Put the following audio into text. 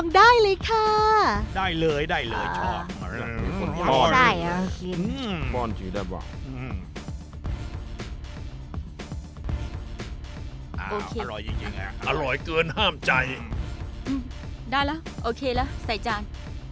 ได้แล้วโอเคแล้วใส่จาน